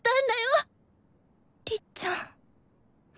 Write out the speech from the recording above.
りっちゃん。